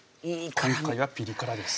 今回はピリ辛です